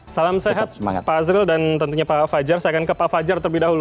salam sehat pak azril dan tentunya pak fajar saya akan ke pak fajar terlebih dahulu